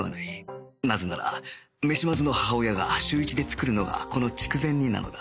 なぜならメシマズの母親が週一で作るのがこの筑前煮なのだ